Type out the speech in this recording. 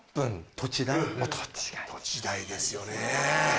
土地代ですよね。